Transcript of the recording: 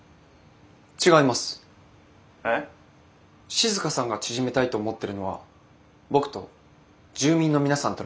静さんが縮めたいと思ってるのは僕と住民の皆さんとの距離です。